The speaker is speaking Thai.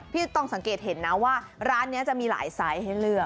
พี่ต้องสังเกตเห็นนะว่าร้านนี้จะมีหลายไซส์ให้เลือก